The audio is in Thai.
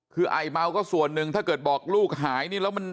คือไอเมาก็ส่วนหนึ่งถ้าเกิดบอกลูกหายนี่แล้วมัน